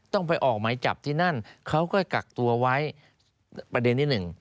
ต้องไปออกหมายจับที่นั่นเขาก็กักตัวไว้ประเด็นที่หนึ่ง